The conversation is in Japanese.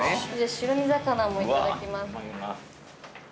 ◆白身魚もいただきます。